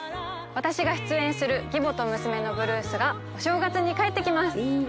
私が出演する「義母と娘のブルース」がお正月に帰ってきます！